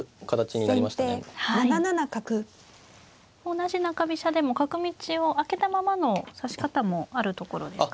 同じ中飛車でも角道を開けたままの指し方もあるところですか。